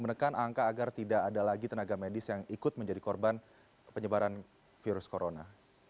apa yang akan dilakukan untuk menekan angka agar tidak ada lagi tenaga medis yang ikut menjadi korban penyebaran virus corona